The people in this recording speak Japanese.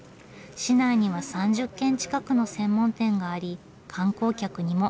市内には３０軒近くの専門店があり観光客にも大人気です。